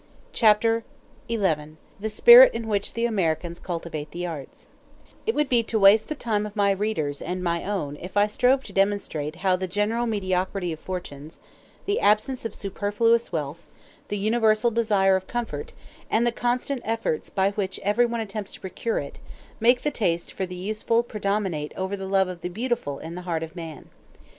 Chapter XI: Of The Spirit In Which The Americans Cultivate The Arts It would be to waste the time of my readers and my own if I strove to demonstrate how the general mediocrity of fortunes, the absence of superfluous wealth, the universal desire of comfort, and the constant efforts by which everyone attempts to procure it, make the taste for the useful predominate over the love of the beautiful in the heart of man.